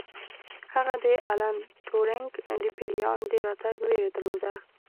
هغه د الن ټورینګ د پیریان د راتګ ویره درلوده